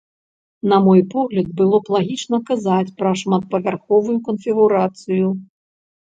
На мой погляд, было б лагічна казаць пра шматпавярховую канфігурацыю.